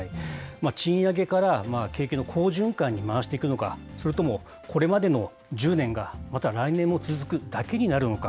賃上げから景気の好循環に回していくのか、それともこれまでの１０年がまた来年も続くだけになるのか。